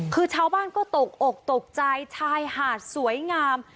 คือชาวบ้านก็ตกอกตกใจชายหาดสวยงาม